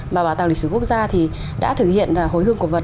mà bảo tàng lịch sử quốc gia thì đã thực hiện hồi hương cổ vật